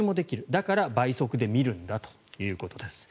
だから倍速で見るんだということです。